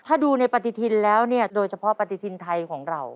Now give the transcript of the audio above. ถ้าดูในปฏิทินแล้วเนี่ยโดยเฉพาะปฏิทินไทยของเรา